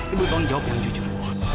ibu tolong jawab yang jujur bu